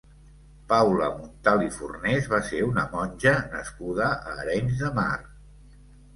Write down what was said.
Paula Montal i Fornés va ser una monja nascuda a Arenys de Mar.